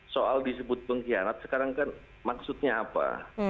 soal disebut pengkhianat sekarang kan maksudnya apa